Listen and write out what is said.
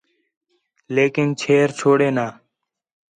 لیکن چھیر چھوڑے نہ